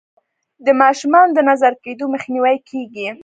د ماشومانو د نظر کیدو مخنیوی کیږي.